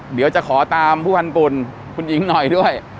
เดี๋ยวจะขอตามผู้พันธุ่นคุณหญิงหน่อยด้วย